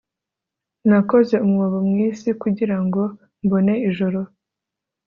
Nakoze umwobo mu isi kugira ngo mbone ijoro